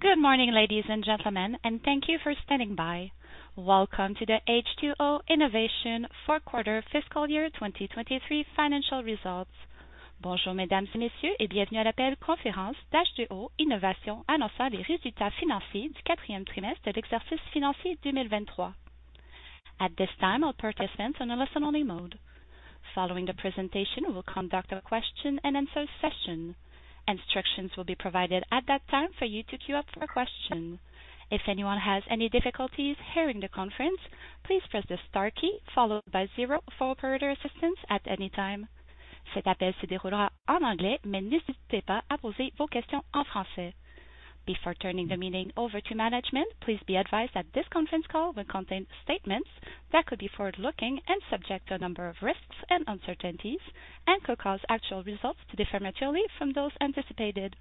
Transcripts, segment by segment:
Good morning, ladies and gentlemen, and thank you for standing by. Welcome to the H2O Innovation fourth quarter fiscal year 2023 financial results. Bonjour, mesdames et messieurs, et bienvenue à l'appel conférence d'H2O Innovation, annonçant les résultats financiers du quatrième trimestre de l'exercice financier 2023. At this time, I'll put participants on a listen-only mode. Following the presentation, we will conduct a question-and-answer session. Instructions will be provided at that time for you to queue up for a question. If anyone has any difficulties hearing the conference, please press the star key followed by zero for operator assistance at any time. Cet appel se déroulera en anglais, mais n'hésitez pas à poser vos questions en français. Before turning the meeting over to management, please be advised that this conference call will contain statements that could be forward-looking and subject to a number of risks and uncertainties and could cause actual results to differ materially from those anticipated.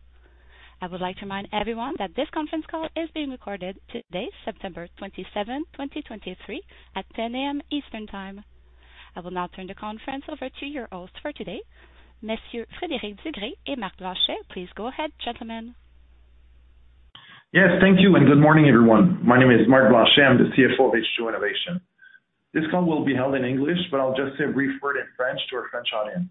I would like to remind everyone that this conference call is being recorded today, September 27, 2023, at 10 A.M. Eastern Time. I will now turn the conference over to your host for today, Monsieur Frédéric Dugré and Marc Blanchet. Please go ahead, gentlemen. Yes, thank you, and good morning, everyone. My name is Marc Blanchet. I'm the CFO of H2O Innovation. This call will be held in English, but I'll just say a brief word in French to our French audience.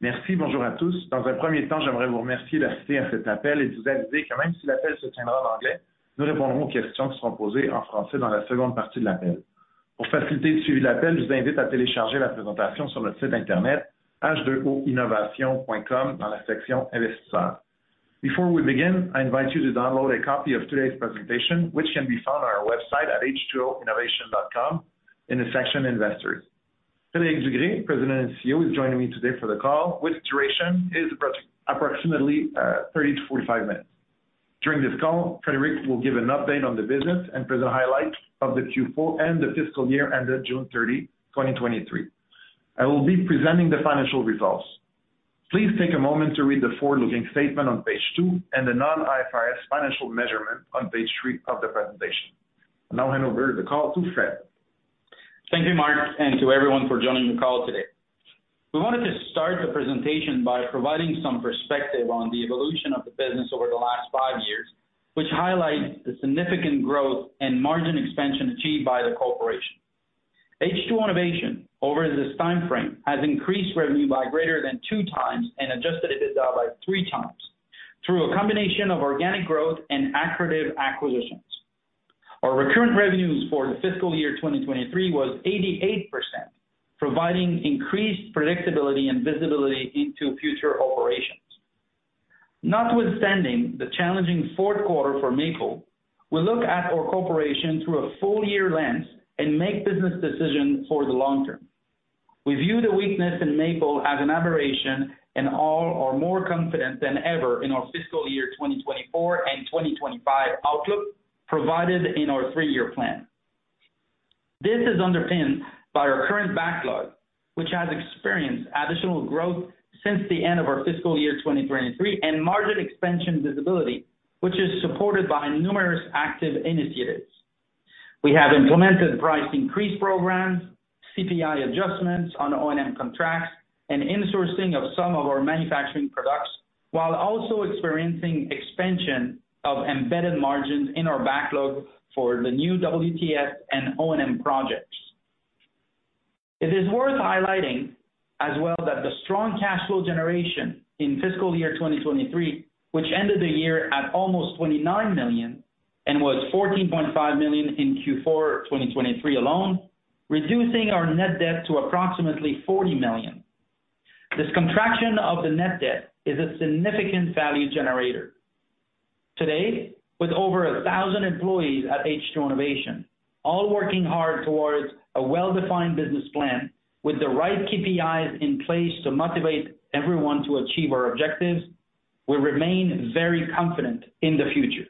Merci, bonjour à tous. Dans un premier temps, j'aimerais vous remercier d'assister à cet appel et vous aviser que même si l'appel se tiendra en anglais, nous répondrons aux questions qui seront posées en français dans la seconde partie de l'appel. Pour faciliter le suivi de l'appel, je vous invite à télécharger la présentation sur notre site Internet, h2oinnovation.com, dans la section Investisseurs. Before we begin, I invite you to download a copy of today's presentation, which can be found on our website at h2oinnovation.com in the section Investors. Frédéric Dugré, President and CEO, is joining me today for the call, which duration is approximately 30-45 minutes. During this call, Frédéric will give an update on the business and present highlights of the Q4 and the fiscal year ended June 30, 2023. I will be presenting the financial results. Please take a moment to read the forward-looking statement on page two and the non-IFRS financial measures on page three of the presentation. I'll now hand over the call to Fred. Thank you, Marc, and to everyone for joining the call today. We wanted to start the presentation by providing some perspective on the evolution of the business over the last five years, which highlights the significant growth and margin expansion achieved by the corporation. H2O Innovation, over this time frame, has increased revenue by greater than 2x and Adjusted EBITDA by 3x through a combination of organic growth and accretive acquisitions. Our recurrent revenues for the fiscal year 2023 was 88%, providing increased predictability and visibility into future operations. Notwithstanding the challenging fourth quarter for maple, we look at our corporation through a full year lens and make business decisions for the long term. We view the weakness in maple as an aberration, and all are more confident than ever in our fiscal year 2024 and 2025 outlook, provided in our three-year plan. This is underpinned by our current backlog, which has experienced additional growth since the end of our fiscal year 2023, and margin expansion visibility, which is supported by numerous active initiatives. We have implemented price increase programs, CPI adjustments on O&M contracts, and insourcing of some of our manufacturing products, while also experiencing expansion of embedded margins in our backlog for the new WTS and O&M projects. It is worth highlighting as well that the strong cash flow generation in fiscal year 2023, which ended the year at almost 29 million and was 14.5 million in Q4 2023 alone, reducing our net debt to approximately 40 million. This contraction of the net debt is a significant value generator. Today, with over 1,000 employees at H2O Innovation, all working hard towards a well-defined business plan with the right KPIs in place to motivate everyone to achieve our objectives, we remain very confident in the future.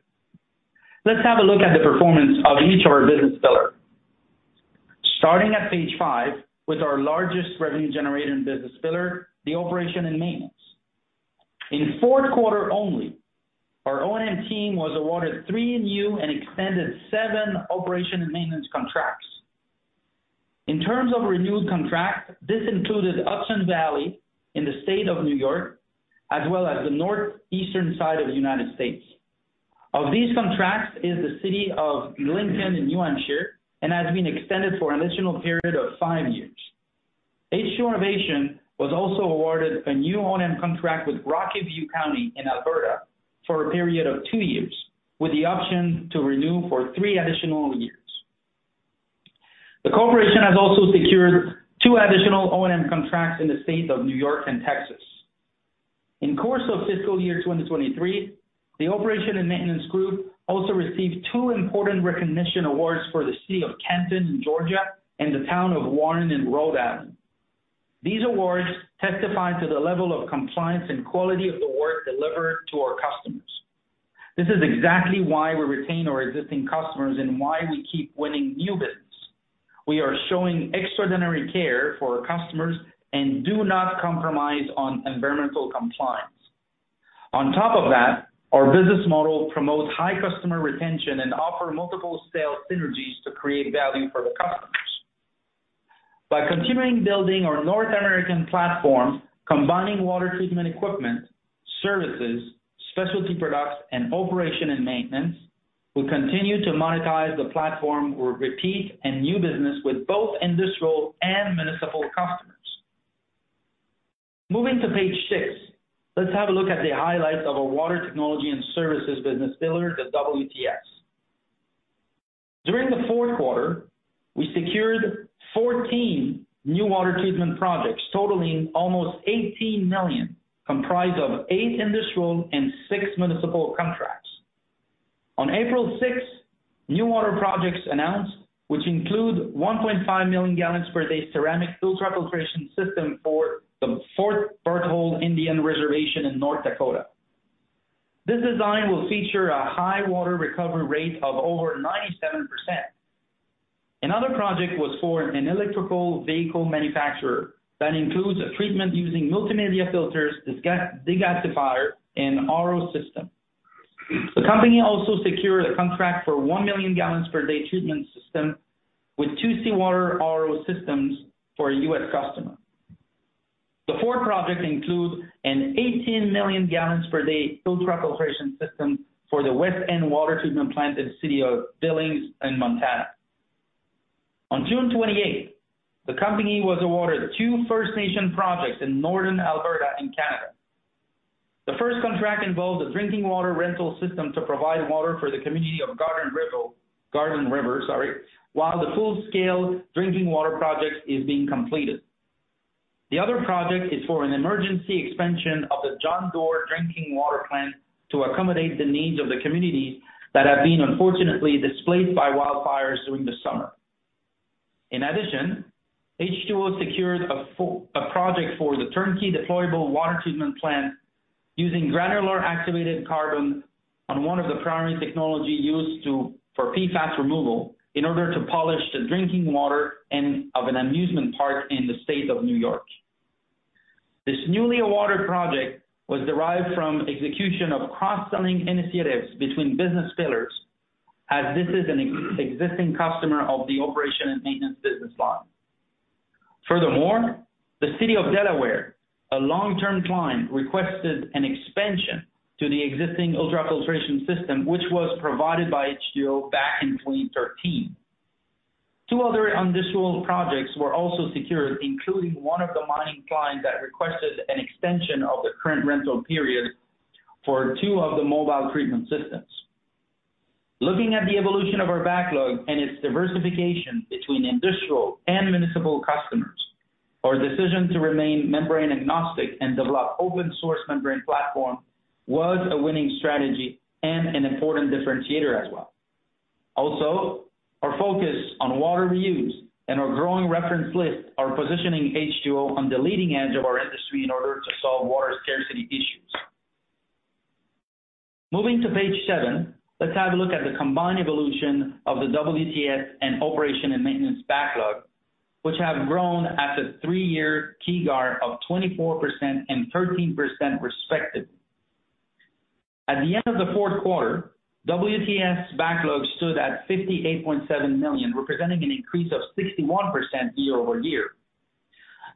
Let's have a look at the performance of each of our business pillar. Starting at page five, with our largest revenue generator and business pillar, the operation and maintenance. In the fourth quarter only, our O&M team was awarded three new and extended seven operation and maintenance contracts. In terms of renewed contract, this included Hudson Valley in the state of New York, as well as the northeastern side of the United States. Of these contracts is the city of Lincoln in New Hampshire, and has been extended for an additional period of five years. H2O Innovation was also awarded a new O&M contract with Rocky View County in Alberta for a period of two years, with the option to renew for three additional years. The corporation has also secured 2 additional O&M contracts in the state of New York and Texas. In course of fiscal year 2023, the Operation and Maintenance group also received two important recognition awards for the city of Canton in Georgia and the town of Warren in Rhode Island. These awards testify to the level of compliance and quality of the work delivered to our customers. This is exactly why we retain our existing customers and why we keep winning new business. We are showing extraordinary care for our customers and do not compromise on environmental compliance. On top of that, our business model promotes high customer retention and offer multiple sales synergies to create value for the customer.... By continuing building our North American platform, combining water treatment equipment, services, specialty products, and operation and maintenance, we continue to monetize the platform for repeat and new business with both industrial and municipal customers. Moving to page six, let's have a look at the highlights of our water technology and services business pillar, the WTS. During the fourth quarter, we secured 14 new water treatment projects, totaling almost 18 million, comprised of 8 industrial and 6 municipal contracts. On April 6, new water projects announced, which include 1.5 million gallons per day ceramic ultrafiltration system for the Fort Berthold Indian Reservation in North Dakota. This design will feature a high water recovery rate of over 97%. Another project was for an electric vehicle manufacturer that includes a treatment using multimedia filters, degasifier, and RO system. The company also secured a contract for 1 million gallons per day treatment system with two seawater RO systems for a U.S. customer. The fourth project includes an 18 million gallons per day ultrafiltration system for the West End Water Treatment Plant in the city of Billings, Montana. On June 28th, the company was awarded two First Nation projects in northern Alberta, Canada. The first contract involves a drinking water rental system to provide water for the community of Garden River, Garden River, sorry, while the full-scale drinking water project is being completed. The other project is for an emergency expansion of the John D'Or drinking water plant to accommodate the needs of the communities that have been unfortunately displaced by wildfires during the summer. In addition, H2O secured a project for the turnkey deployable water treatment plant using granular activated carbon on one of the primary technology used to, for PFAS removal in order to polish the drinking water and of an amusement park in the state of New York. This newly awarded project was derived from execution of cross-selling initiatives between business pillars, as this is an existing customer of the operation and maintenance business line. Furthermore, the City of Delaware, a long-term client, requested an expansion to the existing ultrafiltration system, which was provided by H2O back in 2013. Two other industrial projects were also secured, including one of the mining clients that requested an extension of the current rental period for two of the mobile treatment systems. Looking at the evolution of our backlog and its diversification between industrial and municipal customers, our decision to remain membrane agnostic and develop open source membrane platform was a winning strategy and an important differentiator as well. Also, our focus on water reuse and our growing reference list are positioning H2O on the leading edge of our industry in order to solve water scarcity issues. Moving to page seven, let's have a look at the combined evolution of the WTS and operation and maintenance backlog, which have grown at a 3-year CAGR of 24% and 13%, respectively. At the end of the fourth quarter, WTS backlog stood at 58.7 million, representing an increase of 61% year-over-year.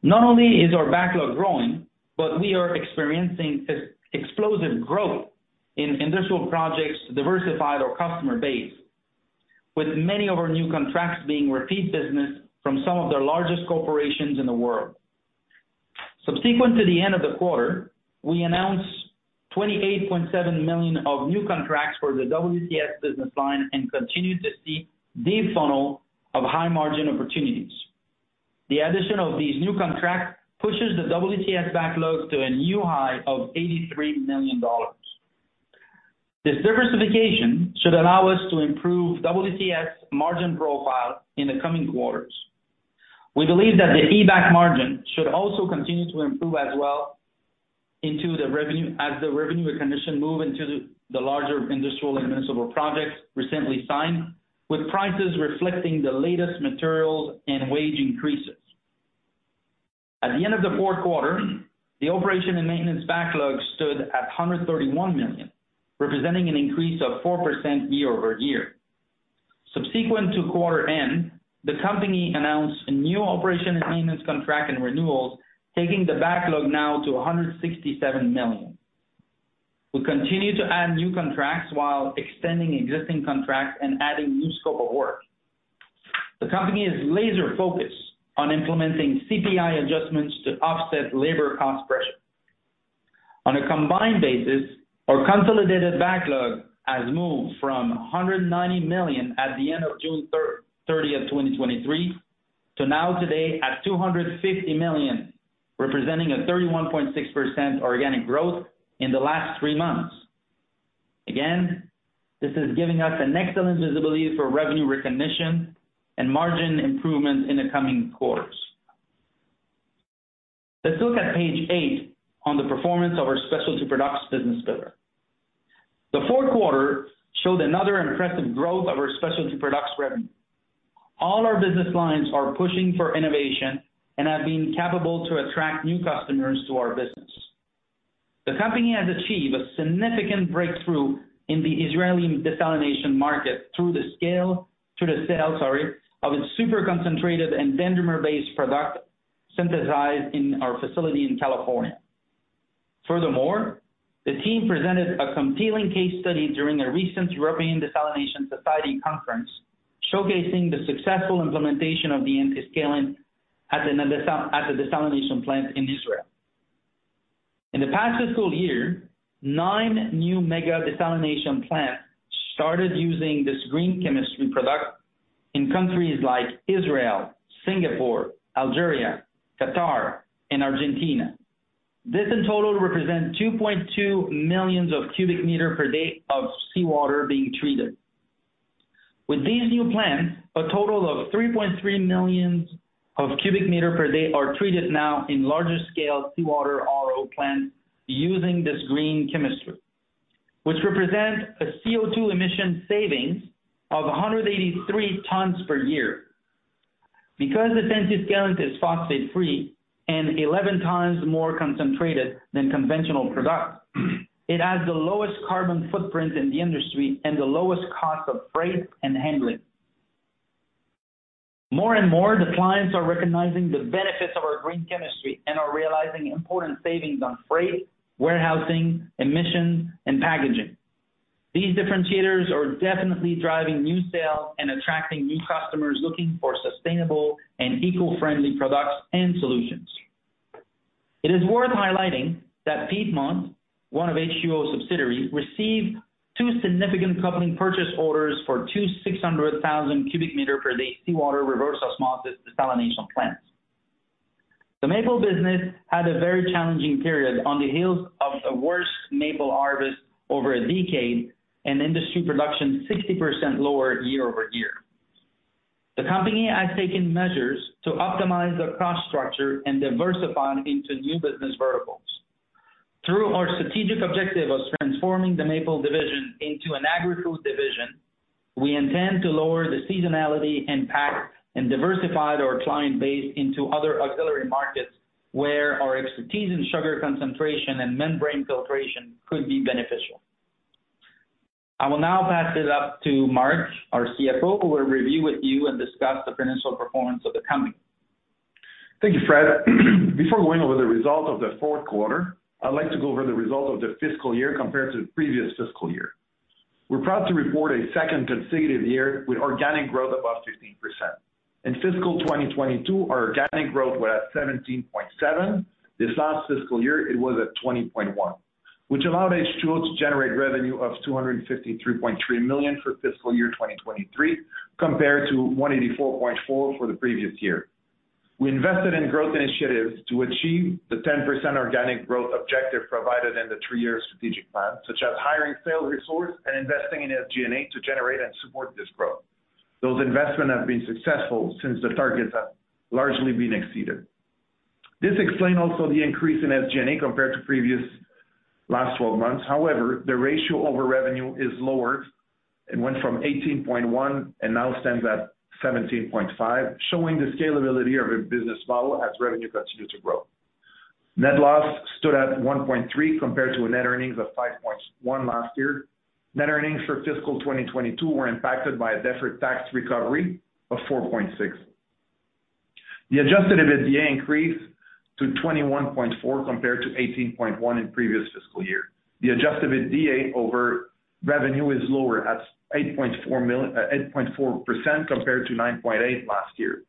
Not only is our backlog growing, but we are experiencing explosive growth in industrial projects to diversify our customer base, with many of our new contracts being repeat business from some of the largest corporations in the world. Subsequent to the end of the quarter, we announced 28.7 million of new contracts for the WTS business line and continued to see deep funnel of high-margin opportunities. The addition of these new contracts pushes the WTS backlog to a new high of 83 million dollars. This diversification should allow us to improve WTS margin profile in the coming quarters. We believe that the EBITDA margin should also continue to improve as well into the revenue—as the revenue recognition move into the, the larger industrial and municipal projects recently signed, with prices reflecting the latest materials and wage increases. At the end of the fourth quarter, the operation and maintenance backlog stood at 131 million, representing an increase of 4% year-over-year. Subsequent to quarter end, the company announced a new operation and maintenance contract and renewals, taking the backlog now to 167 million. We continue to add new contracts while extending existing contracts and adding new scope of work. The company is laser-focused on implementing CPI adjustments to offset labor cost pressure. On a combined basis, our consolidated backlog has moved from 190 million at the end of June 30, 2023, to now today at 250 million, representing a 31.6% organic growth in the last three months. Again, this is giving us an excellent visibility for revenue recognition and margin improvement in the coming quarters. Let's look at page eight on the performance of our specialty products business pillar. The fourth quarter showed another impressive growth of our specialty products revenue. All our business lines are pushing for innovation and have been capable to attract new customers to our business. The company has achieved a significant breakthrough in the Israeli desalination market through the sale, sorry, of its super concentrated and dendrimer-based product synthesized in our facility in California. Furthermore, the team presented a compelling case study during the recent European Desalination Society conference, showcasing the successful implementation of the antiscalant at the desalination plant in Israel. In the past fiscal year, 9 new mega desalination plants started using this green chemistry product in countries like Israel, Singapore, Algeria, Qatar, and Argentina. This in total represents 2.2 million cubic meters per day of seawater being treated. With these new plants, a total of 3.3 million cubic meters per day are treated now in larger scale seawater RO plants using this Green Chemistry, which represent a CO₂ emission savings of 183 tons per year. Because the antiscalant is phosphate-free and 11x more concentrated than conventional products, it has the lowest carbon footprint in the industry and the lowest cost of freight and handling. More and more, the clients are recognizing the benefits of our Green Chemistry and are realizing important savings on freight, warehousing, emissions, and packaging. These differentiators are definitely driving new sales and attracting new customers looking for sustainable and eco-friendly products and solutions. It is worth highlighting that Piedmont, one of H2O's subsidiaries, received two significant coupling purchase orders for two 600,000 cubic meter per day seawater reverse osmosis desalination plants. The maple business had a very challenging period on the heels of the worst maple harvest over a decade, and industry production 60% lower year-over-year. The company has taken measures to optimize their cost structure and diversify into new business verticals. Through our strategic objective of transforming the maple division into an agri-food division, we intend to lower the seasonality impact and diversify our client base into other auxiliary markets, where our expertise in sugar concentration and membrane filtration could be beneficial. I will now pass it up to Marc, our CFO, who will review with you and discuss the financial performance of the company. Thank you, Fred. Before going over the results of the fourth quarter, I'd like to go over the results of the fiscal year compared to the previous fiscal year. We're proud to report a second consecutive year with organic growth above 15%. In fiscal 2022, our organic growth were at 17.7%. This last fiscal year, it was at 20.1%, which allowed H2O to generate revenue of 253.3 million for fiscal year 2023, compared to 184.4 million for the previous year. We invested in growth initiatives to achieve the 10% organic growth objective provided in the three-year strategic plan, such as hiring sales resource and investing in SG&A to generate and support this growth. Those investment have been successful since the targets have largely been exceeded. This explain also the increase in SG&A compared to previous last 12 months. However, the ratio over revenue is lower and went from 18.1 and now stands at 17.5, showing the scalability of a business model as revenue continues to grow. Net loss stood at 1.3 million, compared to a net earnings of 5.1 million last year. Net earnings for fiscal 2022 were impacted by a deferred tax recovery of 4.6 million. The adjusted EBITDA increased to 21.4 million, compared to 18.1 million in previous fiscal year. The adjusted EBITDA over revenue is lower, at 8.4% compared to 9.8% last year.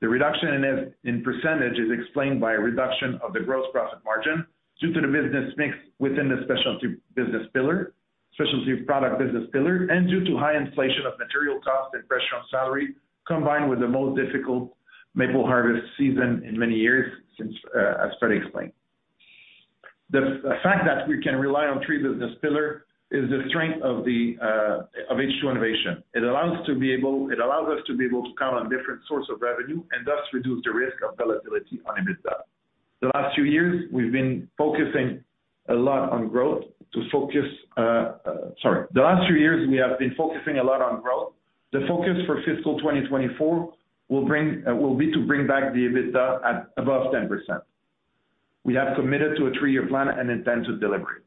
The reduction in it, in percentage, is explained by a reduction of the gross profit margin due to the business mix within the specialty business pillar, specialty product business pillar, and due to high inflation of material costs and pressure on salary, combined with the most difficult maple harvest season in many years since, as Fred explained. The fact that we can rely on three business pillar is the strength of the of H2O Innovation. It allows to be able—it allows us to be able to count on different source of revenue and thus reduce the risk of volatility on EBITDA. The last two years, we've been focusing a lot on growth to focus. Sorry. The last two years, we have been focusing a lot on growth. The focus for fiscal 2024 will bring, will be to bring back the EBITDA at above 10%. We have committed to a three-year plan and intend to deliver it.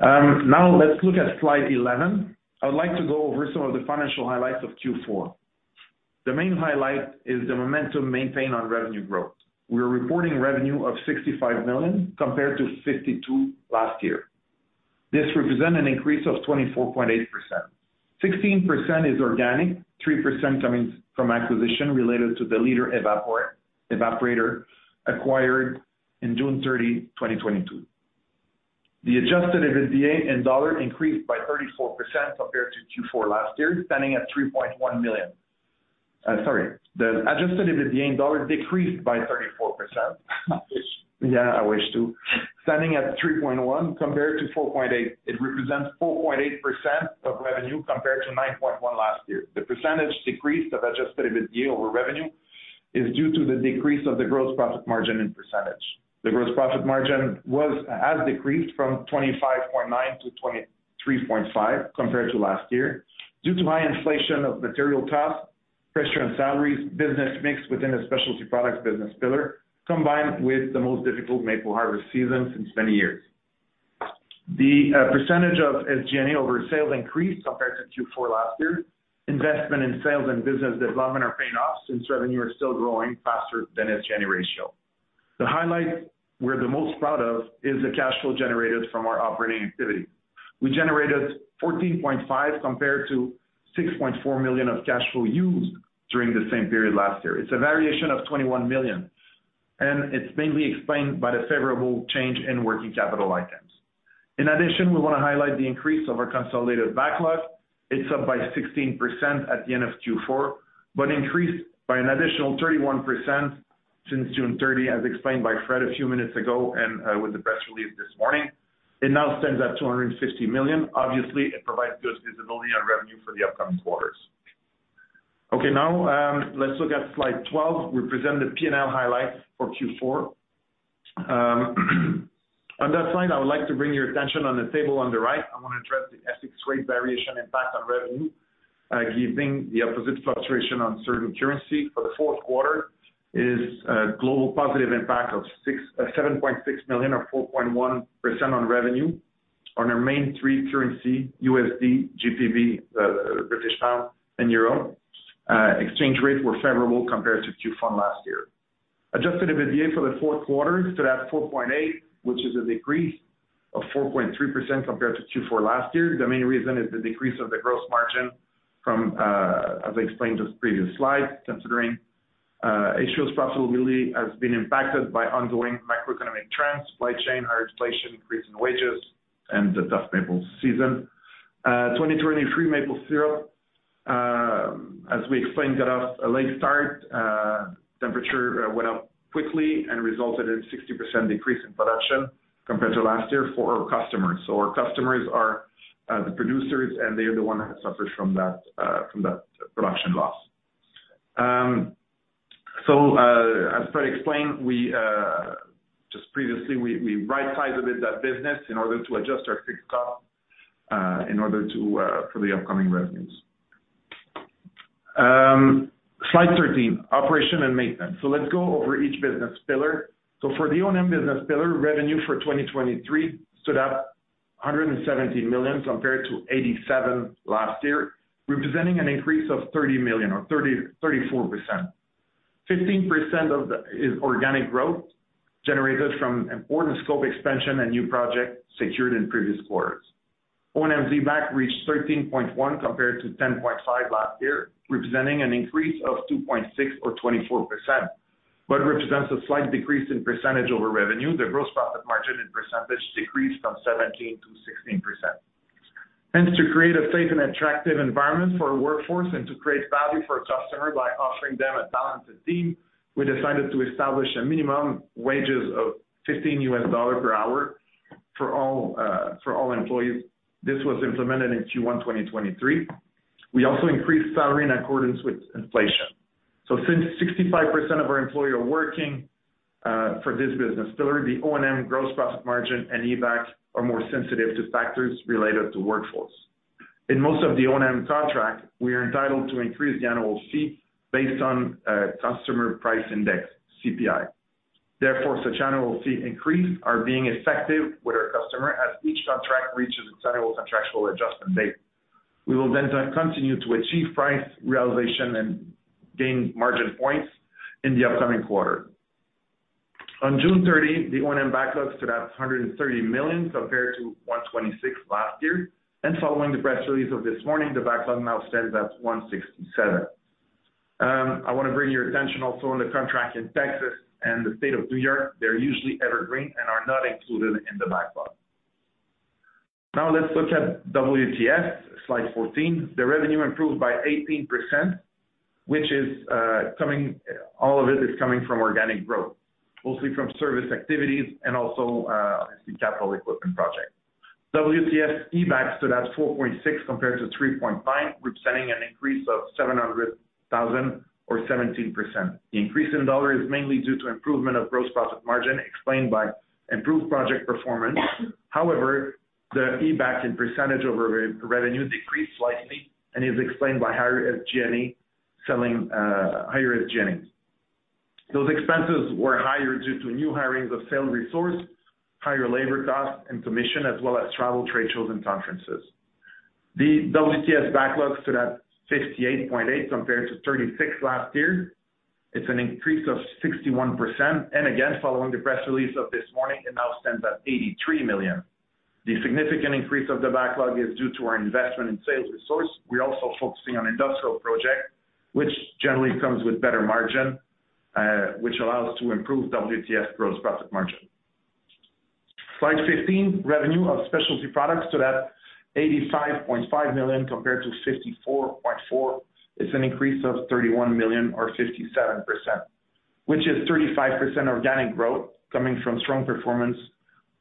Now let's look at slide 11. I would like to go over some of the financial highlights of Q4. The main highlight is the momentum maintained on revenue growth. We're reporting revenue of 65 million, compared to 52 million last year. This represent an increase of 24.8%. 16% is organic, 3% coming from acquisition related to the Leader Evaporator, acquired in June 30, 2022. The adjusted EBITDA in dollar increased by 34% compared to Q4 last year, standing at 3.1 million. Sorry, the adjusted EBITDA in dollar decreased by 34%. Yeah, I wish to. Standing at 3.1 compared to 4.8, it represents 4.8% of revenue compared to 9.1 last year. The percentage decrease of Adjusted EBITDA over revenue is due to the decrease of the gross profit margin in percentage. The gross profit margin has decreased from 25.9 to 23.5 compared to last year, due to high inflation of material costs, pressure on salaries, business mix within the specialty products business pillar, combined with the most difficult maple harvest season since many years. The percentage of SG&A over sales increased compared to Q4 last year. Investment in sales and business development are paying off since revenue are still growing faster than SG&A ratio. The highlight we're the most proud of, is the cash flow generated from our operating activity. We generated 14.5, compared to 6.4 million of cash flow used during the same period last year. It's a variation of 21 million, and it's mainly explained by the favorable change in working capital items. In addition, we wanna highlight the increase of our consolidated backlog. It's up by 16% at the end of Q4, but increased by an additional 31% since June 30, as explained by Fred a few minutes ago, and with the press release this morning. It now stands at 250 million. Obviously, it provides good visibility on revenue for the upcoming quarters. Okay, now, let's look at slide 12. We present the P&L highlights for Q4. On that slide, I would like to bring your attention on the table on the right. I want to address the FX rate variation impact on revenue, giving the opposite fluctuation on certain currency. For the fourth quarter, it is a global positive impact of 7.6 million or 4.1% on revenue. On our main three currencies, USD, GBP, British Pound and Euro, exchange rates were favorable compared to Q4 last year. Adjusted EBITDA for the fourth quarter stood at 4.8 million, which is a decrease of 4.3% compared to Q4 last year. The main reason is the decrease of the gross margin from, as I explained this previous slide, considering, H2O's profitability has been impacted by ongoing macroeconomic trends, supply chain, higher inflation, increase in wages, and the tough maple season. 2023 maple syrup, as we explained, got off a late start. Temperature went up quickly and resulted in 60% decrease in production compared to last year for our customers. So our customers are the producers, and they are the one that suffers from that production loss. So, as Fred explained, we just previously, we right-sized a bit that business in order to adjust our fixed cost in order to for the upcoming revenues. Slide 13, operation and maintenance. So let's go over each business pillar. So for the O&M business pillar, revenue for 2023 stood at 170 million compared to 87 million last year, representing an increase of 30 million or 34%. 15% of the is organic growth generated from important scope expansion and new projects secured in previous quarters. O&M EBITDA reached 13.1 compared to 10.5 last year, representing an increase of 2.6 or 24%, but represents a slight decrease in percentage over revenue. The gross profit margin in percentage decreased from 17%-16%. To create a safe and attractive environment for our workforce and to create value for our customer by offering them a balanced team, we decided to establish a minimum wages of $15 per hour for all, for all employees. This was implemented in Q1 2023. We also increased salary in accordance with inflation. Since 65% of our employee are working for this business pillar, the O&M gross profit margin and EBITDA are more sensitive to factors related to workforce. In most of the O&M contract, we are entitled to increase the annual fee based on, Consumer Price Index, CPI. Therefore, such annual fee increase are being effective with our customer as each contract reaches its annual contractual adjustment date. We will then continue to achieve price realization and gain margin points in the upcoming quarter. On June 30, the O&M backlog stood at 130 million, compared to 126 last year, and following the press release of this morning, the backlog now stands at 167. I want to bring your attention also on the contract in Texas and the state of New York. They're usually evergreen and are not included in the backlog. Now, let's look at WTS, slide 14. The revenue improved by 18%, which is, all of it is coming from organic growth, mostly from service activities and also capital equipment project. WTS EBITDA stood at 4.6 compared to 3.5, representing an increase of 700 thousand or 17%. The increase in dollar is mainly due to improvement of gross profit margin, explained by improved project performance. However, the EBITDA in percentage over revenue decreased slightly and is explained by higher SG&A selling, higher SG&A. Those expenses were higher due to new hirings of sales resource, higher labor costs and commission, as well as travel, trade shows and conferences. The WTS backlogs stood at 58.8 compared to 36 last year. It's an increase of 61%, and again, following the press release of this morning, it now stands at 83 million. The significant increase of the backlog is due to our investment in sales resource. We're also focusing on industrial project, which generally comes with better margin, which allows to improve WTS gross profit margin. Slide 15, revenue of specialty products stood at 85.5 million compared to 54.4 million. It's an increase of 31 million or 57%, which is 35% organic growth coming from strong performance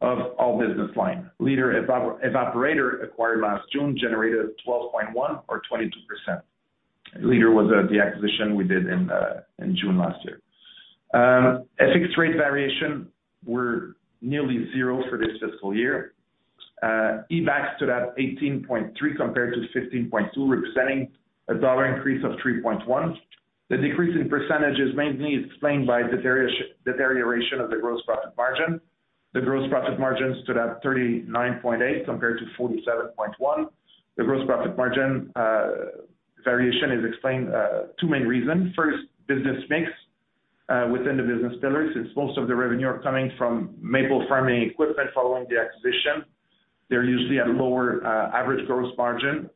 of all business line. Leader Evaporator, acquired last June, generated 12.1 or 22%. Leader was the acquisition we did in June last year. FX rate variation were nearly zero for this fiscal year. EBITDA stood at 18.3 compared to 15.2, representing a 3.1 increase. The decrease in percentage is mainly explained by the variation, the variation of the gross profit margin. The gross profit margin stood at 39.8% compared to 47.1%. The gross profit margin variation is explained by two main reasons. First, business mix within the business pillars, since most of the revenue are coming from maple farming equipment following the acquisition, they're usually at lower average gross margin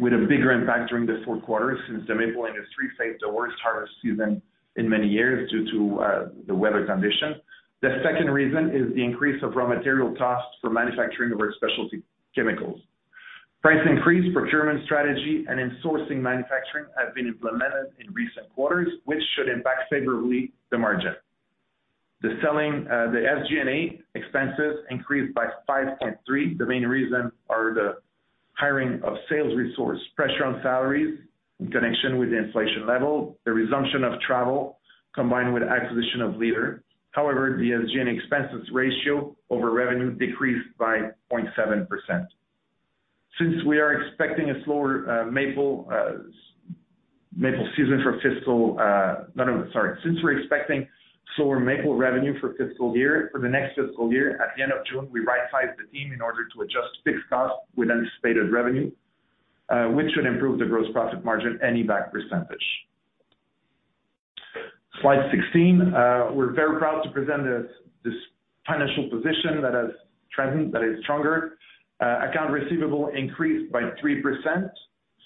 with a bigger impact during the fourth quarter since the maple industry faced the worst harvest season in many years due to the weather conditions. The second reason is the increase of raw material costs for manufacturing of our specialty chemicals. Price increase, procurement strategy, and insourcing manufacturing have been implemented in recent quarters, which should impact favorably the margin. The selling, the SG&A expenses increased by 5.3%. The main reason are the hiring of sales resource, pressure on salaries in connection with the inflation level, the resumption of travel, combined with acquisition of Leader. However, the SG&A expenses ratio over revenue decreased by 0.7%. Since we're expecting slower maple revenue for fiscal year, for the next fiscal year, at the end of June, we rightsized the team in order to adjust fixed costs with anticipated revenue, which should improve the gross profit margin and EBITDA percentage. Slide 16. We're very proud to present this financial position that has trend that is stronger. Account receivable increased by 3%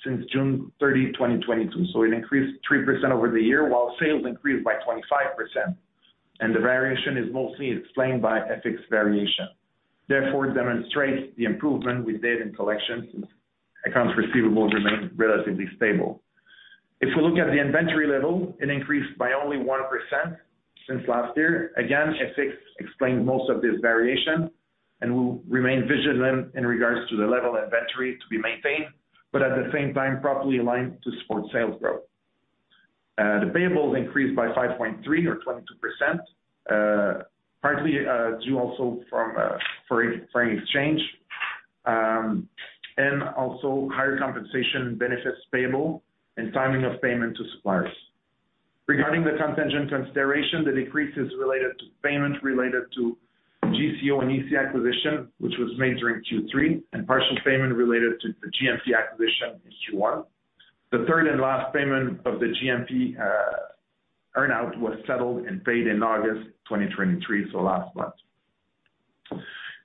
since June 30, 2022. So it increased 3% over the year, while sales increased by 25%, and the variation is mostly explained by FX variation. Therefore, it demonstrates the improvement with debt and collection, since accounts receivable remain relatively stable. If we look at the inventory level, it increased by only 1% since last year. Again, FX explains most of this variation, and we'll remain vigilant in regards to the level of inventory to be maintained, but at the same time, properly aligned to support sales growth. The payables increased by 5.3 or 22%, partly, due also from foreign exchange, and also higher compensation benefits payable and timing of payment to suppliers. Regarding the contingent consideration, the decrease is related to payments related to JCOand EC acquisition, which was made during Q3, and partial payment related to the GUS acquisition in Q1. The third and last payment of the GMP earn-out was settled and paid in August 2023, so last month.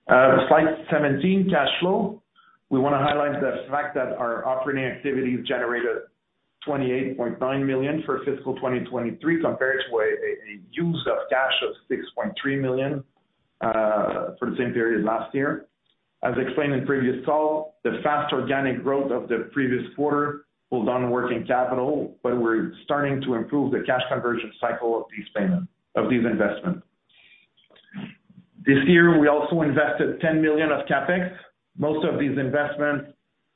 Slide 17, cash flow. We want to highlight the fact that our operating activities generated 28.9 million for fiscal 2023, compared to a use of cash of 6.3 million for the same period last year. As explained in previous call, the fast organic growth of the previous quarter pulled on working capital, but we're starting to improve the cash conversion cycle of these payments, of these investments. This year, we also invested 10 million of CapEx. Most of these investments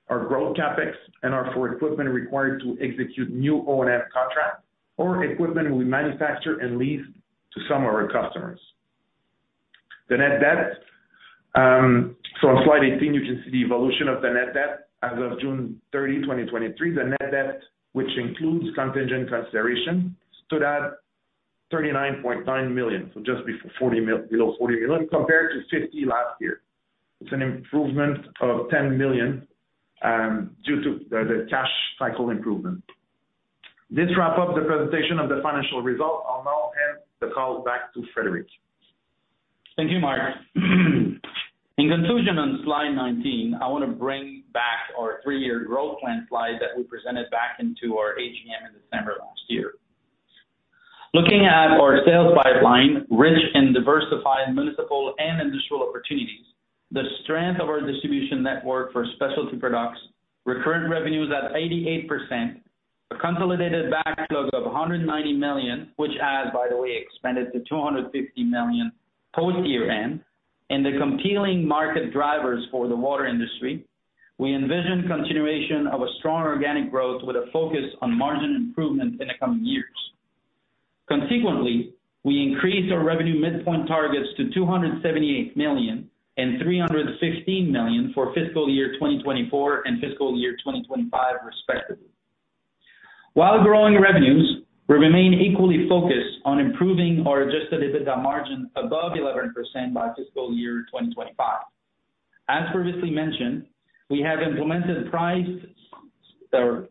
are growth CapEx and are for equipment required to execute new O&M contracts or equipment we manufacture and lease to some of our customers. The net debt, so on slide 18, you can see the evolution of the net debt. As of June 30, 2023, the net debt, which includes contingent consideration, stood at 39.9 million, so just before 40 million, below 40 million, compared to 50 million last year. It's an improvement of 10 million, due to the, the cash cycle improvement. This wraps up the presentation of the financial results. I'll now hand the call back to Frédéric. Thank you, Marc. In conclusion, on slide 19, I want to bring back our three-year growth plan slide that we presented back into our AGM in December last year. Looking at our sales pipeline, rich and diversified municipal and industrial opportunities, the strength of our distribution network for specialty products, recurrent revenues at 88%, a consolidated backlog of 190 million, which has, by the way, expanded to 250 million post-year end, and the competing market drivers for the water industry, we envision continuation of a strong organic growth with a focus on margin improvement in the coming years. Consequently, we increased our revenue midpoint targets to 278 million and 316 million for fiscal year 2024 and fiscal year 2025, respectively. While growing revenues, we remain equally focused on improving our Adjusted EBITDA margin above 11% by fiscal year 2025. As previously mentioned, we have implemented price,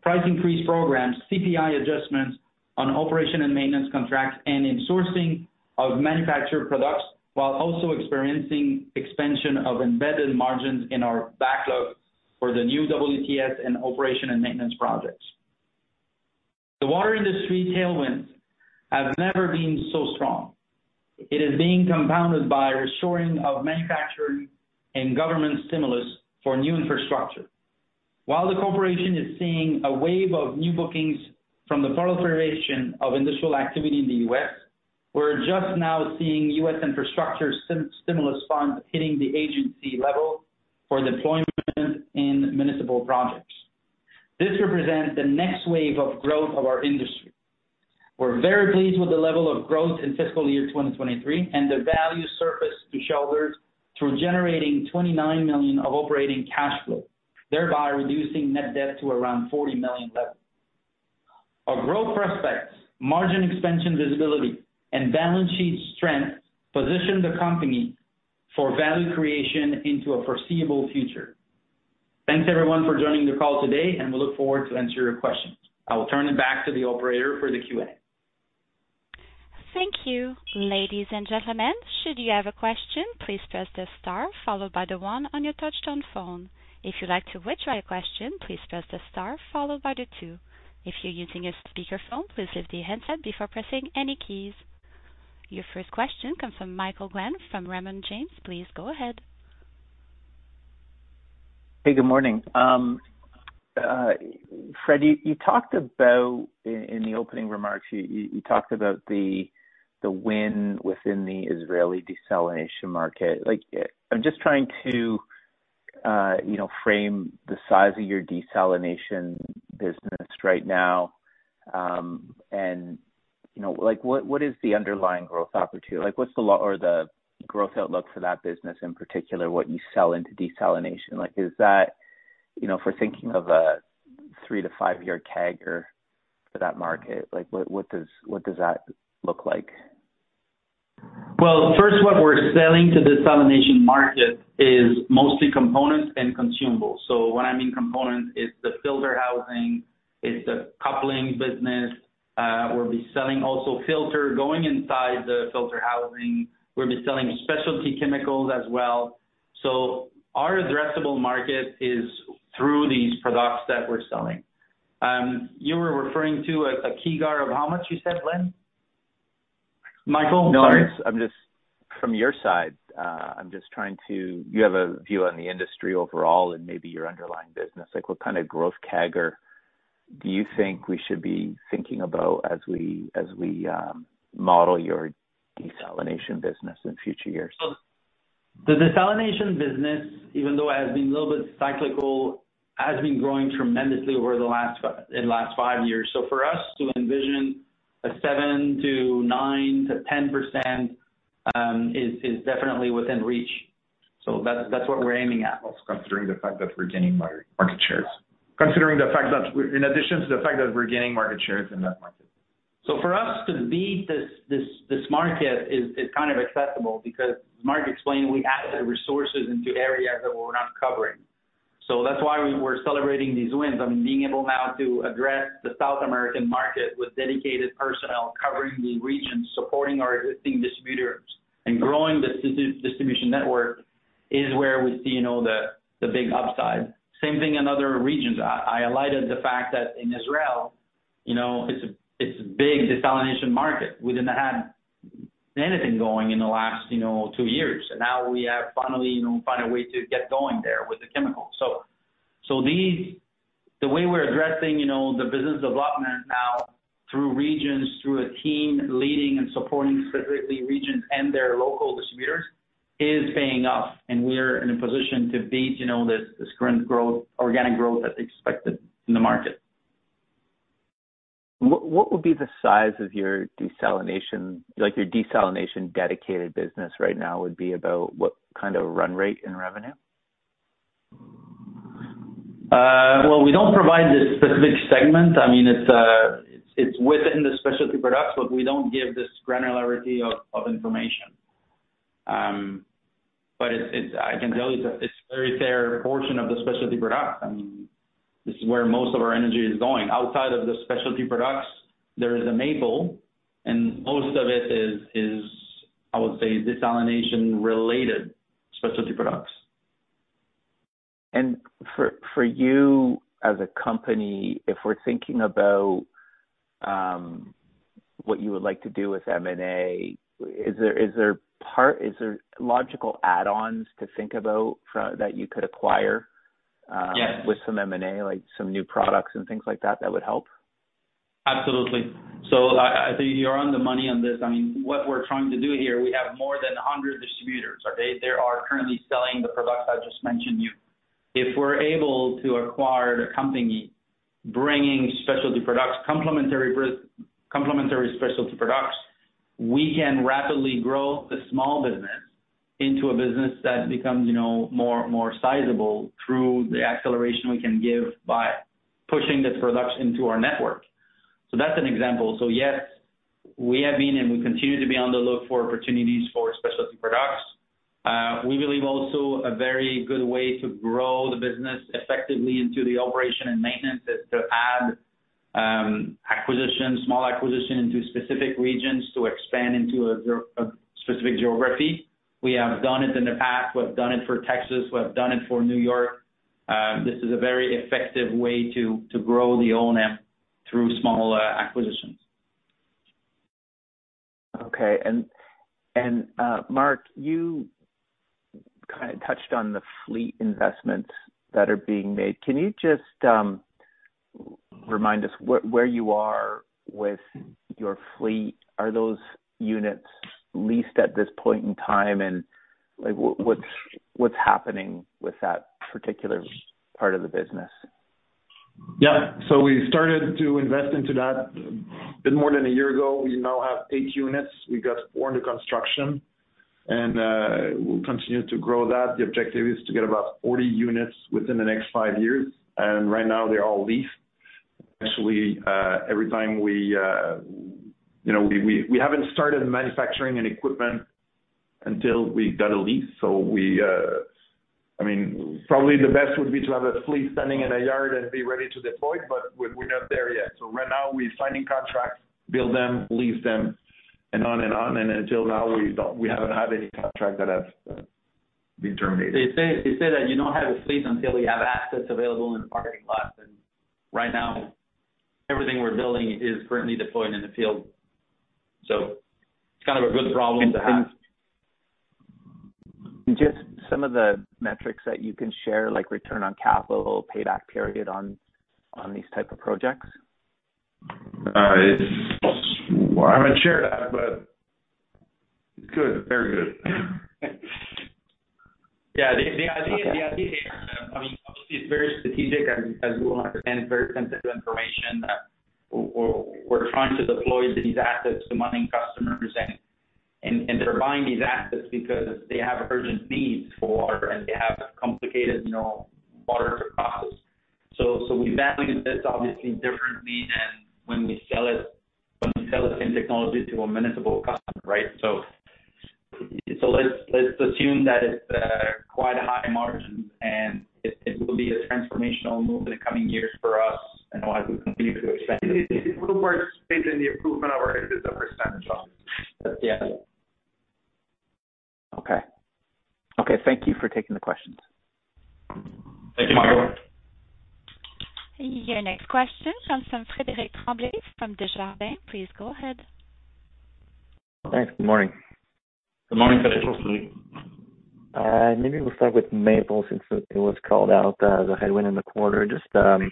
price increase programs, CPI adjustments on operation and maintenance contracts, and in sourcing of manufactured products, while also experiencing expansion of embedded margins in our backlog for the new WTS and operation and maintenance projects. The water industry tailwinds have never been so strong. It is being compounded by reshoring of manufacturing and government stimulus for new infrastructure. While the corporation is seeing a wave of new bookings from the proliferation of industrial activity in the U.S., we're just now seeing U.S. infrastructure stimulus funds hitting the agency level for deployment in municipal projects.... This represents the next wave of growth of our industry. We're very pleased with the level of growth in fiscal year 2023, and the value surfaced to shareholders through generating 29 million of operating cash flow, thereby reducing net debt to around 40 million level. Our growth prospects, margin expansion visibility, and balance sheet strength position the company for value creation into a foreseeable future. Thanks, everyone, for joining the call today, and we look forward to answer your questions. I will turn it back to the operator for the Q&A. Thank you. Ladies and gentlemen, should you have a question, please press the star followed by the one on your touchtone phone. If you'd like to withdraw your question, please press the star followed by the two. If you're using a speakerphone, please lift the handset before pressing any keys. Your first question comes from Michael Glen from Raymond James. Please go ahead. Hey, good morning. Fred, you talked about in the opening remarks, you talked about the win within the Israeli desalination market. Like, I'm just trying to, you know, frame the size of your desalination business right now. You know, like, what is the underlying growth opportunity? Like, what's the growth outlook for that business, in particular, what you sell into desalination? Like, is that... You know, if we're thinking of a three to five year CAGR for that market, like, what does that look like? Well, first, what we're selling to the desalination market is mostly components and consumables. So when I mean components, it's the filter housing, it's the coupling business, we'll be selling also filter going inside the filter housing. We'll be selling specialty chemicals as well. So our addressable market is through these products that we're selling. You were referring to a, a CAGR of how much you said, Glenn? Michael, sorry. No, I'm just from your side, I'm just trying to... You have a view on the industry overall and maybe your underlying business. Like, what kind of growth CAGR do you think we should be thinking about as we, as we, model your desalination business in future years? The desalination business, even though it has been a little bit cyclical, has been growing tremendously over the last five years. So for us to envision a 7%-9%-10% is definitely within reach. So that's what we're aiming at. Also considering the fact that we're gaining market shares. Considering the fact that, in addition to the fact that we're gaining market shares in that market. So for us to beat this market is kind of accessible because as Marc explained, we add the resources into areas that we're not covering. So that's why we're celebrating these wins. I mean, being able now to address the South American market with dedicated personnel covering the regions, supporting our existing distributors, and growing this distribution network is where we see, you know, the, the big upside. Same thing in other regions. I highlighted the fact that in Israel, you know, it's a big desalination market. We didn't have anything going in the last, you know, two years, and now we have finally, you know, found a way to get going there with the chemicals. So these... The way we're addressing, you know, the business development now through regions, through a team leading and supporting specifically regions and their local distributors, is paying off, and we're in a position to beat, you know, this, this current growth, organic growth that's expected in the market. What would be the size of your desalination, like, your desalination-dedicated business right now would be about what kind of run rate in revenue? Well, we don't provide the specific segment. I mean, it's within the specialty products, but we don't give this granularity of information. But it's -- I can tell you that it's a very fair portion of the specialty product. I mean, this is where most of our energy is going. Outside of the specialty products, there is a maple, and most of it is, I would say, desalination-related specialty products. For you as a company, if we're thinking about what you would like to do with M&A, is there logical add-ons to think about that you could acquire? Yes. with some M&A, like some new products and things like that, that would help? Absolutely. So I think you're on the money on this. I mean, what we're trying to do here, we have more than 100 distributors. Okay? They are currently selling the products I just mentioned to you. If we're able to acquire a company bringing specialty products, complementary specialty products, we can rapidly grow the small business into a business that becomes, you know, more sizable through the acceleration we can give by pushing this product into our network. So that's an example. So yes, we have been, and we continue to be on the look for opportunities for specialty products. We believe also a very good way to grow the business effectively into the operation and maintenance is to add acquisitions, small acquisitions into specific regions to expand into a specific geography. We have done it in the past. We have done it for Texas, we have done it for New York. This is a very effective way to grow the OM through small acquisitions. Okay. And, Mark, you kind of touched on the fleet investments that are being made. Can you just remind us where you are with your fleet. Are those units leased at this point in time? And, like, what's happening with that particular part of the business? Yeah. So we started to invest into that a bit more than a year ago. We now have 8 units. We got 4 under construction, and we'll continue to grow that. The objective is to get about 40 units within the next 5 years, and right now, they're all leased. Actually, every time we, you know, we haven't started manufacturing any equipment until we've got a lease. So I mean, probably the best would be to have a fleet standing in a yard and be ready to deploy, but we're not there yet. So right now we're signing contracts, build them, lease them, and on and on. And until now, we don't—we haven't had any contracts that have been terminated. They say, they say that you don't have a fleet until you have assets available in the parking lot, and right now, everything we're building is currently deployed in the field. It's kind of a good problem to have. Just some of the metrics that you can share, like return on capital, payback period on these type of projects. It's... I wouldn't share that, but good. Very good. Yeah, the idea here, I mean, obviously, it's very strategic, and as you well understand, it's very sensitive information that we're trying to deploy these assets to mining customers, and they're buying these assets because they have urgent needs for, and they have complicated, you know, water to process. So we value this obviously differently than when we sell it, when we sell the same technology to a municipal customer, right? So let's assume that it's quite a high margin, and it will be a transformational move in the coming years for us and why we continue to expand. It will work based on the improvement of our EBITDA percentage. Yes. Okay. Okay, thank you for taking the questions. Thank you, Michael. Your next question comes from Frédéric Tremblay from Desjardins. Please go ahead. Thanks. Good morning. Good morning, Frédéric. Maybe we'll start with maple, since it was called out as a headwind in the quarter. Just, you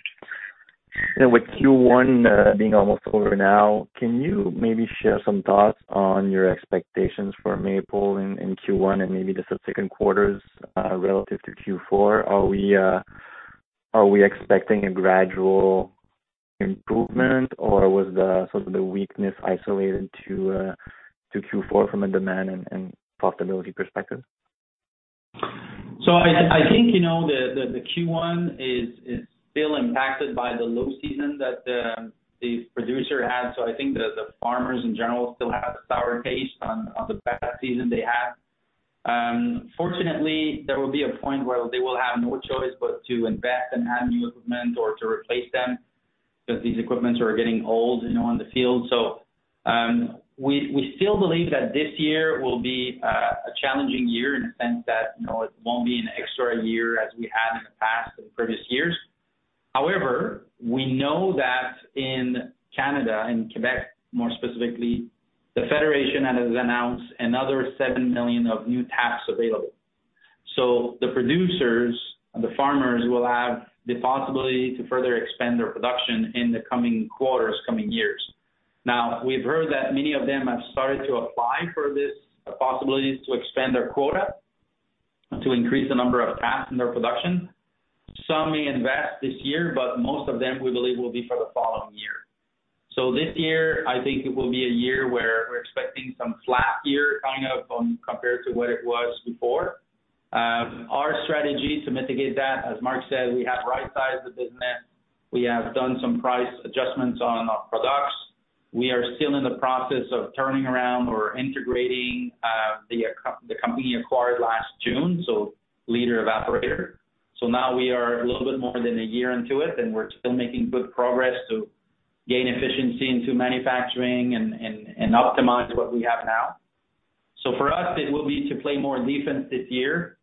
know, with Q1 being almost over now, can you maybe share some thoughts on your expectations for maple in Q1 and maybe the subsequent quarters relative to Q4? Are we expecting a gradual improvement, or was the sort of the weakness isolated to Q4 from a demand and profitability perspective? So I think, you know, the Q1 is still impacted by the low season that the producer had. So I think the farmers in general still have a sour taste on the bad season they had. Fortunately, there will be a point where they will have no choice but to invest and have new equipment or to replace them, because these equipments are getting old, you know, on the field. So, we still believe that this year will be a challenging year in the sense that, you know, it won't be an extraordinary year as we had in the past in previous years. However, we know that in Canada, in Quebec, more specifically, the federation has announced another 7 million of new taps available. So the producers and the farmers will have the possibility to further expand their production in the coming quarters, coming years. Now, we've heard that many of them have started to apply for this possibility to expand their quota, to increase the number of taps in their production. Some may invest this year, but most of them, we believe, will be for the following year. So this year, I think it will be a year where we're expecting some flat year, kind of, compared to what it was before. Our strategy to mitigate that, as Marc said, we have right-sized the business. We have done some price adjustments on our products. We are still in the process of turning around or integrating the company acquired last June, so Leader Evaporator. So now we are a little bit more than a year into it, and we're still making good progress to gain efficiency into manufacturing and optimize what we have now. So for us, it will be to play more defense this year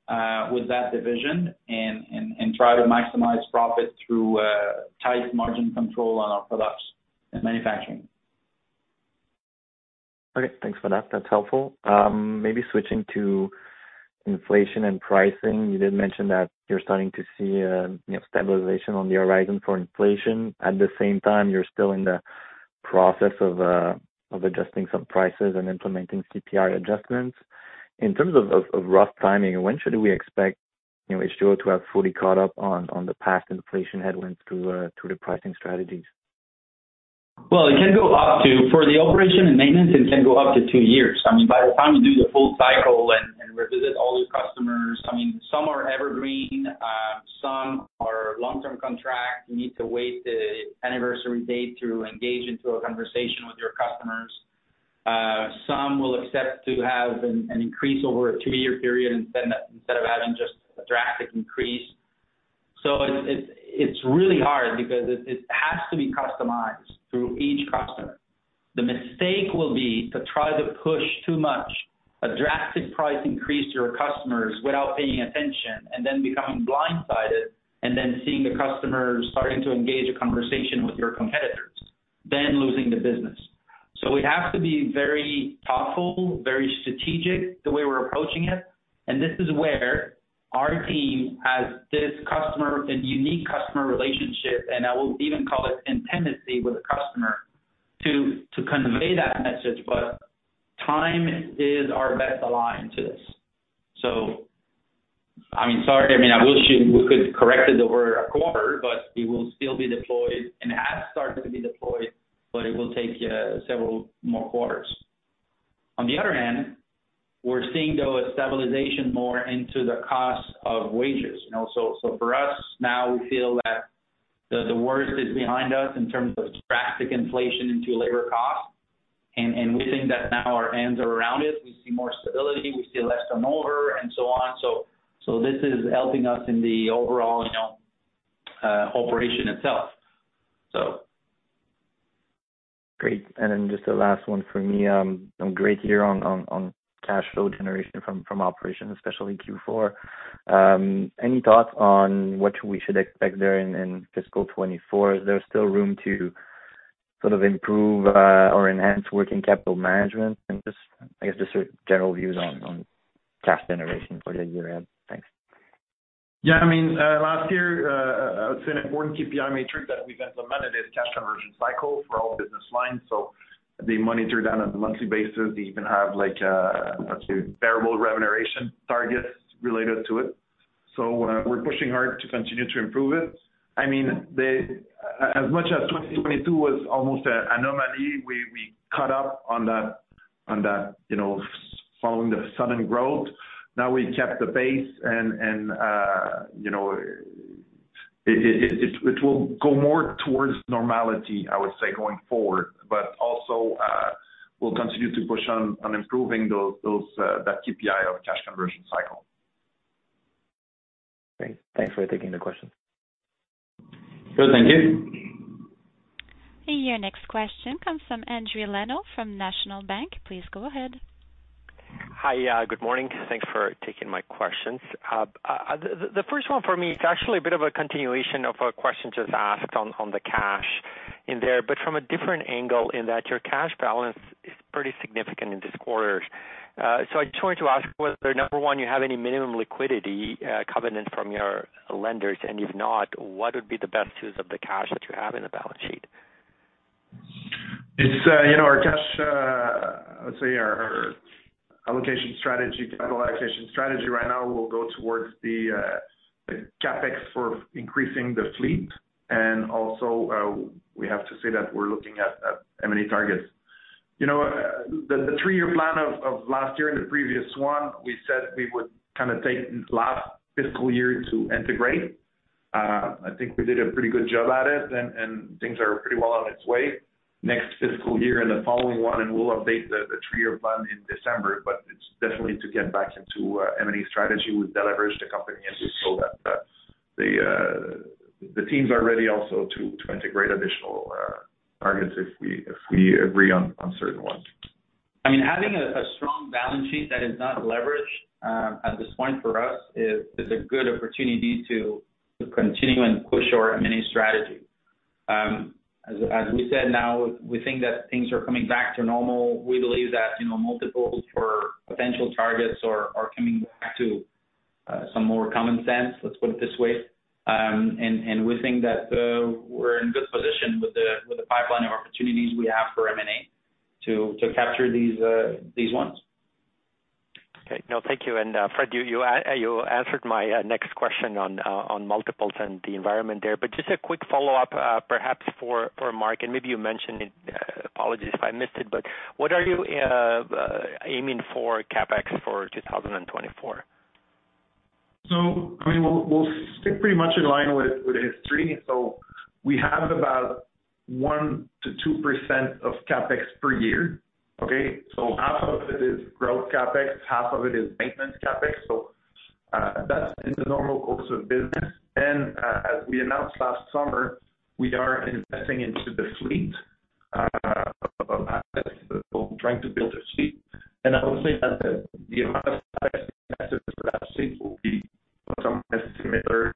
with that division and try to maximize profit through tight margin control on our products and manufacturing. Okay, thanks for that. That's helpful. Maybe switching to inflation and pricing. You did mention that you're starting to see you know, stabilization on the horizon for inflation. At the same time, you're still in the process of adjusting some prices and implementing CPI adjustments. In terms of rough timing, when should we expect you know, H2O to have fully caught up on the past inflation headwinds through the pricing strategies? Well, it can go up to... For the operation and maintenance, it can go up to two years. I mean, by the time you do the full cycle and revisit all your customers, I mean, some are evergreen, some are long-term contract. You need to wait the anniversary date to engage into a conversation with your customers. Some will accept to have an increase over a two-year period instead of having just a drastic increase. So it's really hard because it has to be customized through each customer. The mistake will be to try to push too much a drastic price increase to your customers without paying attention and then becoming blindsided and then seeing the customers starting to engage a conversation with your competitor... losing the business. So we have to be very thoughtful, very strategic, the way we're approaching it, and this is where our team has this customer, a unique customer relationship, and I will even call it intimacy with the customer, to, to convey that message, but time is our best ally into this. So I mean, sorry, I mean, I wish we could correct it over a quarter, but it will still be deployed and has started to be deployed, but it will take several more quarters. On the other hand, we're seeing, though, a stabilization more into the cost of wages. You know, so, so for us, now we feel that the, the worst is behind us in terms of drastic inflation into labor costs. And, and we think that now our hands are around it. We see more stability, we see less turnover and so on. So, this is helping us in the overall, you know, operation itself, so. Great. And then just the last one for me, great to hear on cash flow generation from operations, especially Q4. Any thoughts on what we should expect there in fiscal 2024? Is there still room to sort of improve or enhance working capital management? And just, I guess, just sort of general views on cash generation for the year ahead. Thanks. Yeah, I mean, last year, it's an important KPI metric that we've implemented is Cash Conversion Cycle for all business lines. So they monitor that on a monthly basis. They even have, like, variable remuneration targets related to it. So, we're pushing hard to continue to improve it. I mean, as much as 22 was almost an anomaly, we caught up on that, you know, following the sudden growth. Now we kept the pace and, you know, it will go more towards normality, I would say, going forward. But also, we'll continue to push on improving those, that KPI of Cash Conversion Cycle. Great. Thanks for taking the question. Good. Thank you. Your next question comes from Endri Leno, from National Bank. Please go ahead. Hi, good morning. Thanks for taking my questions. The first one for me, it's actually a bit of a continuation of a question just asked on the cash in there, but from a different angle, in that your cash balance is pretty significant in this quarter. So I just wanted to ask whether, number one, you have any minimum liquidity covenant from your lenders, and if not, what would be the best use of the cash that you have in the balance sheet? It's, you know, our cash, let's say our, our allocation strategy, capital allocation strategy right now will go towards the, the CapEx for increasing the fleet. Also, we have to say that we're looking at, at M&A targets. You know, the, the three-year plan of, of last year and the previous one, we said we would kind of take last fiscal year to integrate. I think we did a pretty good job at it, and, and things are pretty well on its way. Next fiscal year and the following one, and we'll update the, the three-year plan in December, but it's definitely to get back into, M&A strategy. We've leveraged the company, and so that, the, the teams are ready also to, to integrate additional, targets if we, if we agree on, on certain ones. I mean, having a strong balance sheet that is not leveraged, at this point for us, is a good opportunity to continue and push our M&A strategy. As we said, now we think that things are coming back to normal. We believe that, you know, multiples for potential targets are coming back to some more common sense, let's put it this way. And we think that we're in a good position with the pipeline of opportunities we have for M&A to capture these ones. Okay, now, thank you. And, Fred, you answered my next question on multiples and the environment there. But just a quick follow-up, perhaps for Mark, and maybe you mentioned it, apologies if I missed it, but what are you aiming for CapEx for 2024? So, I mean, we'll, we'll stick pretty much in line with, with history. So we have about 1%-2% of CapEx per year. Okay, so half of it is growth CapEx, half of it is maintenance CapEx. So, that's in the normal course of business. Then, as we announced last summer, we are investing into the fleet, of assets, so trying to build a fleet. And I would say that the amount of assets for that fleet will be somewhere similar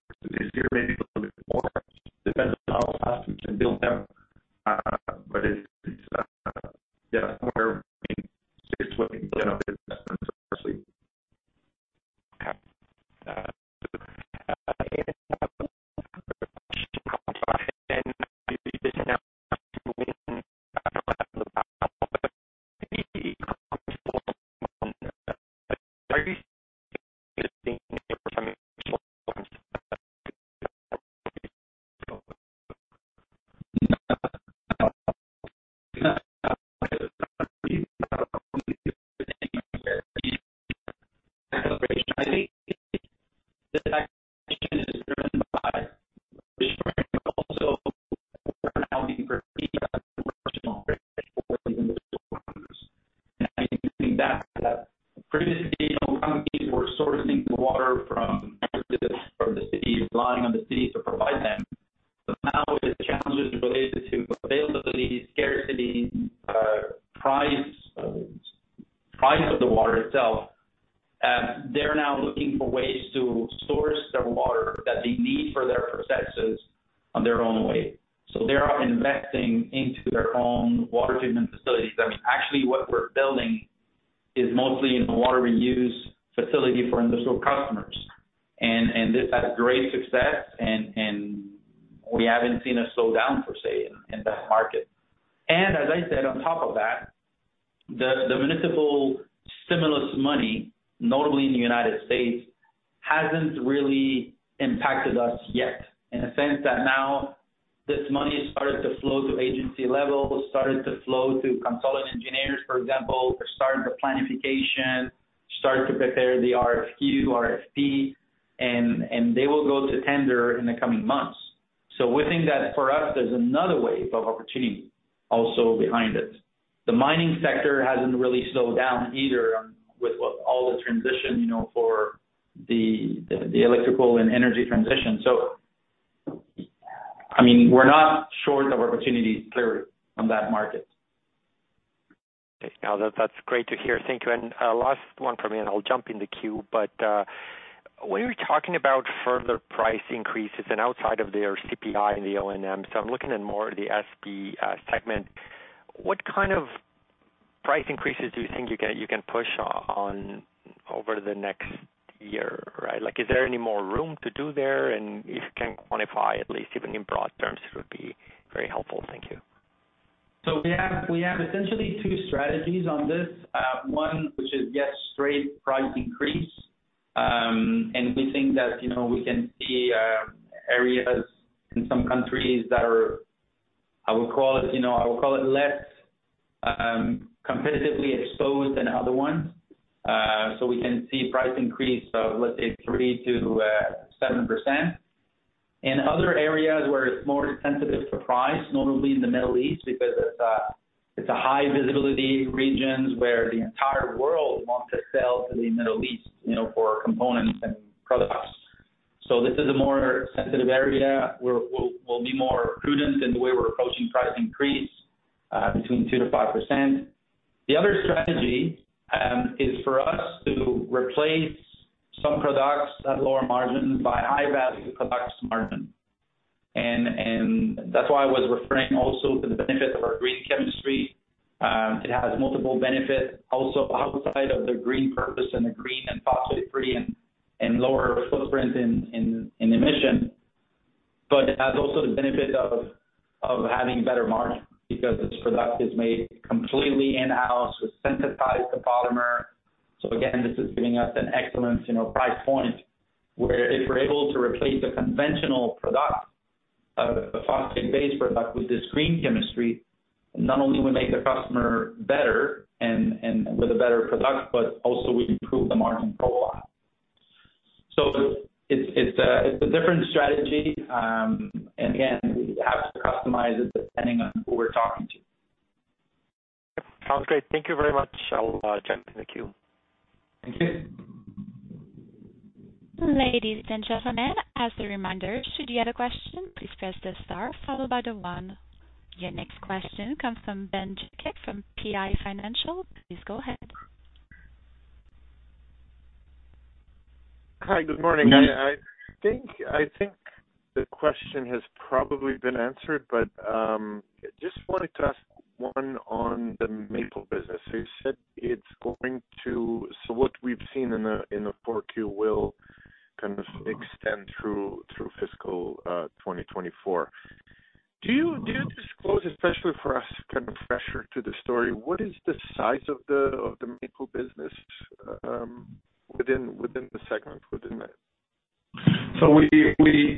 also behind it. The mining sector hasn't really slowed down either, with all the transition, you know, for the electrical and energy transition. So, I mean, we're not short of opportunities there on that market. Okay, now, that, that's great to hear. Thank you. And, last one from me, and I'll jump in the queue. But, when you're talking about further price increases and outside of their CPI and the O&M, so I'm looking at more the SP, segment. What kind of price increases do you think you can, you can push on over the next year, right? Like, is there any more room to do there? And if you can quantify, at least even in broad terms, it would be very helpful. Thank you. So we have, we have essentially two strategies on this. One, which is, yes, straight price increase. And we think that, you know, we can see areas in some countries that are, I would call it, you know, I would call it less competitively exposed than other ones. So we can see price increase of, let's say, 3%-7%. In other areas where it's more sensitive to price, notably in the Middle East, because it's a, it's a high visibility regions where the entire world wants to sell to the Middle East, you know, for components and products. So this is a more sensitive area, where we'll, we'll be more prudent in the way we're approaching price increase, between 2%-5%. The other strategy is for us to replace some products at lower margin by high-value products margin. That's why I was referring also to the benefit of our Green Chemistry. It has multiple benefits, also outside of the green purpose and the green phosphate-free and lower footprint in emission. But it has also the benefit of having better margin because this product is made completely in-house with synthesized polymer. So again, this is giving us an excellent, you know, price point, where if we're able to replace the conventional product, the phosphate-based product, with this Green Chemistry, not only we make the customer better and with a better product, but also we improve the margin profile. So it's a different strategy. And again, we have to customize it depending on who we're talking to. Sounds great. Thank you very much. I'll jump in the queue. Thank you. Ladies and gentlemen, as a reminder, should you get a question, please press the star followed by the one. Your next question comes from Ben Jekic from PI Financial. Please go ahead. Hi, good morning. I think the question has probably been answered, but just wanted to ask one on the maple business. So you said it's going to... So what we've seen in the 4Q will kind of extend through fiscal 2024. Do you disclose, especially for us, kind of fresher to the story, what is the size of the maple business within the segment, within that? So we,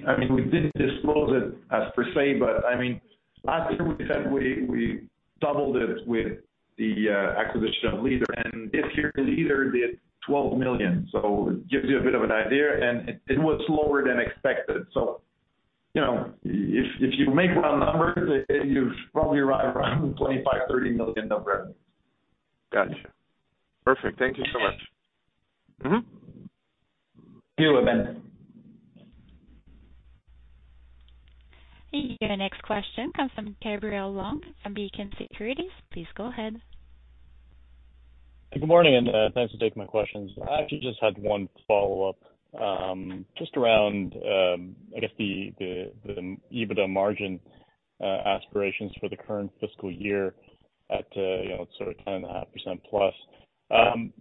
I mean, we didn't disclose it as per se, but I mean, last year we said we doubled it with the acquisition of Leader, and this year, Leader did 12 million. So it gives you a bit of an idea, and it was lower than expected. So you know, if you make round numbers, it, you should probably arrive around 25-30 million of revenues. Gotcha. Perfect. Thank you so much. Mm-hmm. You're welcome. Your next question comes from Gabriel Leung, from Beacon Securities. Please go ahead. Good morning, and, thanks for taking my questions. I actually just had one follow-up, just around, I guess, the EBITDA margin aspirations for the current fiscal year at, you know, sort of 10.5%+.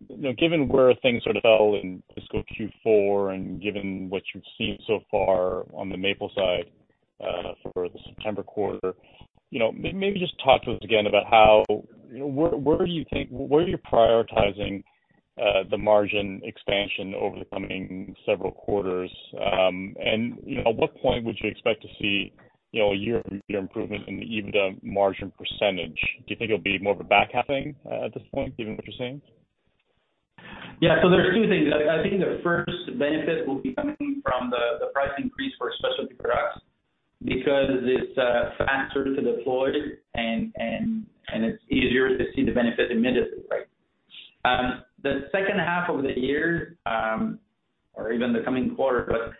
You know, given where things sort of fell in fiscal Q4, and given what you've seen so far on the maple side, for the September quarter, you know, maybe just talk to us again about how, you know, where do you think you are prioritizing the margin expansion over the coming several quarters? And, you know, at what point would you expect to see, you know, a year-over-year improvement in the EBITDA margin percentage? Do you think it'll be more of a back half thing, at this point, given what you're seeing? Yeah. So there are two things. I think the first benefit will be coming from the price increase for specialty products, because it's faster to deploy and it's easier to see the benefit immediately, right? The second half of the year, or even the coming quarter, but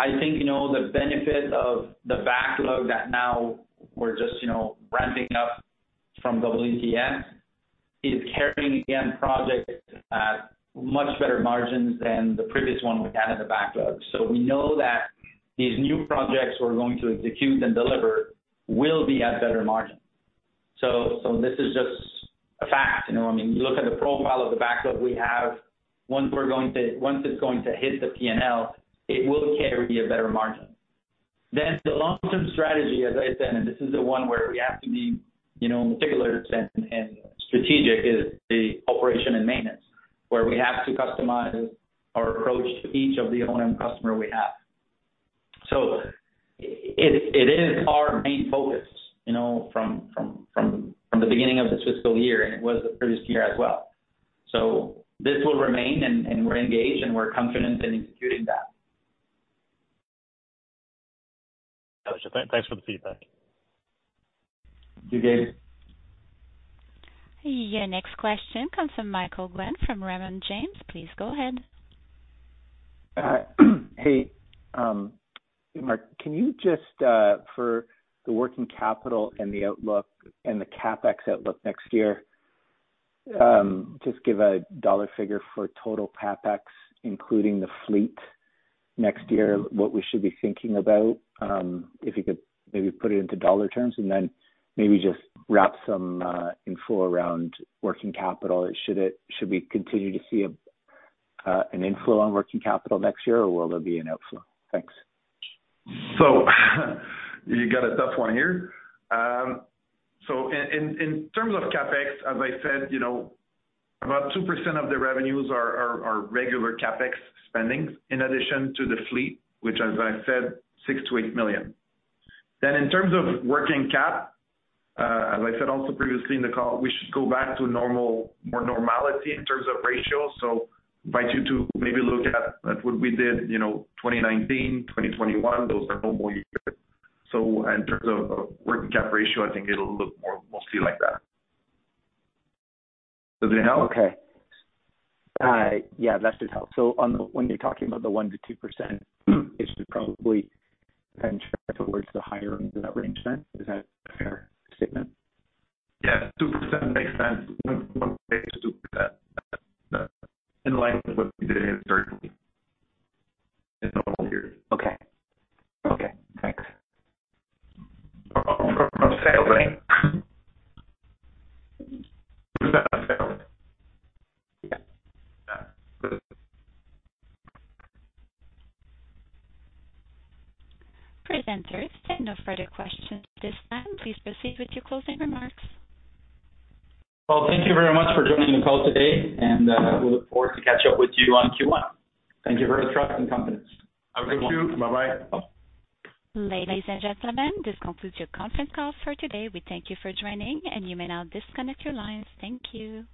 I think, you know, the benefit of the backlog that now we're just, you know, ramping up from WTS, is carrying again, projects at much better margins than the previous one we had in the backlog. So we know that these new projects we're going to execute and deliver will be at better margins. So this is just a fact, you know what I mean? You look at the profile of the backlog we have, once we're going to—once it's going to hit the P&L, it will carry a better margin. Then the long-term strategy, as I said, and this is the one where we have to be, you know, in a particular sense and strategic, is the operation and maintenance, where we have to customize our approach to each of the O&M customer we have. So it is our main focus, you know, from the beginning of this fiscal year, and it was the previous year as well. So this will remain, and we're engaged and we're confident in executing that. Got you. Thanks for the feedback. Thank you, Gabe. Your next question comes from Michael Glen from Raymond James. Please go ahead. Hey, Marc, can you just for the working capital and the outlook and the CapEx outlook next year, just give a dollar figure for total CapEx, including the fleet next year? What we should be thinking about, if you could maybe put it into dollar terms, and then maybe just wrap some info around working capital. Should we continue to see an inflow on working capital next year, or will there be an outflow? Thanks. So you got a tough one here. So in terms of CapEx, as I said, you know, about 2% of the revenues are regular CapEx spendings, in addition to the fleet, which, as I said, 6 million-8 million. Then in terms of working cap, as I said also previously in the call, we should go back to normal, more normality in terms of ratios. So invite you to maybe look at what we did, you know, 2019, 2021, those are normal years. So in terms of working cap ratio, I think it'll look more, mostly like that. Does that help? Okay. Yeah, that does help. So when you're talking about the 1%-2%, it should probably trend towards the higher end of that range then? Is that a fair statement? Yeah, 2% makes sense. One way to do that, in line with what we did historically in normal years. Okay. Okay, thanks. From sales, right? Presenters, there are no further questions at this time. Please proceed with your closing remarks. Well, thank you very much for joining the call today, and, we look forward to catch up with you on Q1. Thank you for your trust and confidence. Thank you. Bye-bye. Ladies and gentlemen, this concludes your conference call for today. We thank you for joining, and you may now disconnect your lines. Thank you.